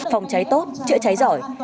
phòng cháy tốt chữa cháy giỏi